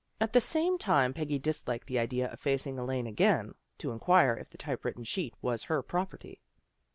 At the same time, Peggy disliked the idea of facing Elaine again, to inquire if the typewritten sheet was her property.